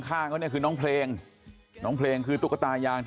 ค่านน่ะหนังเพลงตุ๊กตายาง